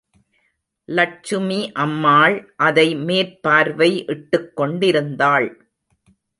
லட்சுமி அம்மாள் அதை மேற்பார்வை இட்டுக்கொண்டிருந்தாள்.